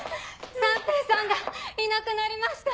三瓶さんがいなくなりました！